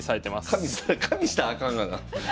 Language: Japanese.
加味したらあかんがな。